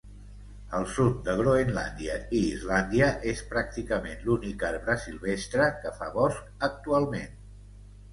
Al sud de Groenlàndia i Islàndia és pràcticament l'únic arbre silvestre que fa bosc actualment.